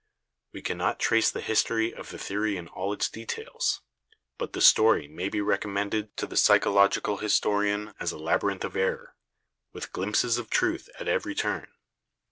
We cannot trace the history of the theory in all its details, but the story may be recommended to the psychological historian as a labyrinth of error, with glimpses of truth at every turn."